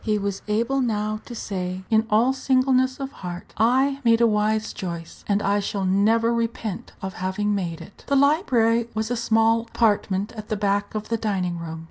He was able now to say, in all singleness of heart, "I made a wise choice, and I shall never repent of having made it." The library was a small apartment at the back of the dining room.